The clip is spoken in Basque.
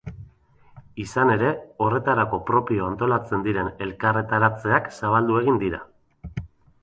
Izan ere, horretarako propio antolatzen diren elkarretaratzeak zabaldu egin dira.